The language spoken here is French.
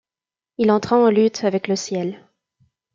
Il entra en lutte avec le Ciel.